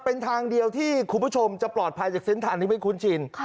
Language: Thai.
เป็นทางเดียวที่คุณผู้ชมจะปลอดภัยจากเส้นทางนี้ไม่คุ้นชิน